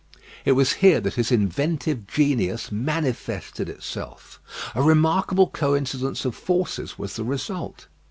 It was here that his inventive genius manifested itself. A remarkable coincidence of forces was the result.